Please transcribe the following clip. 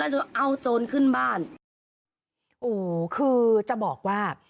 แล้วหนูเอาโจรขึ้นบ้านโอ้คือจะบอกว่า